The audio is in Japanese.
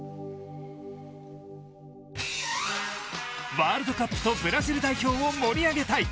ワールドカップとブラジル代表を盛り上げたい。